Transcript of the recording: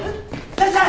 先生！